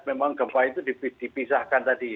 memang gempa itu dipisahkan tadi